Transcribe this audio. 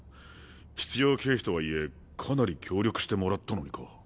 必要経費とはいえかなり協力してもらったのにか？